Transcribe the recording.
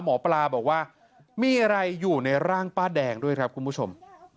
หมอปลาบอกว่ามีอะไรอยู่ในร่างป้าแดงด้วยครับคุณผู้ชม